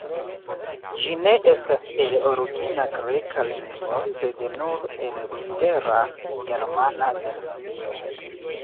Ĝi ne estas el origina greka lingvo, sed nur el Lutera germana versio.